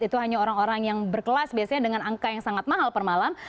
itu hanya orang orang yang berkelas biasanya dengan angka yang sangat mahal per malam